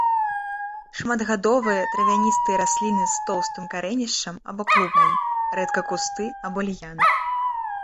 Шматгадовыя травяністыя расліны з тоўстым карэнішчам або клубнем, рэдка кусты або ліяны.